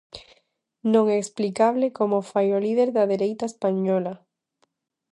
Non é explicable como o fai o líder da dereita española.